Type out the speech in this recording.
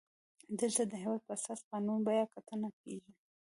دلته د هیواد په اساسي قانون بیا کتنه کیږي.